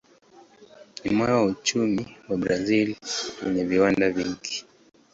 Ni moyo wa uchumi wa Brazil wenye viwanda vingi.